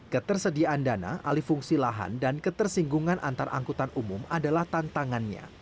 ketersediaan dana alifungsi lahan dan ketersinggungan antarangkutan umum adalah tantangannya